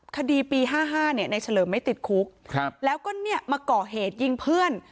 คดีปีห้าห้าเนี่ยในเฉลิมไม่ติดคุกครับแล้วก็เนี่ยมาก่อเหตุยิงเพื่อน